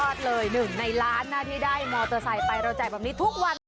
หนึ่งในล้านนะที่ได้มอเตอร์ไซค์ไปเราแจกแบบนี้ทุกวัน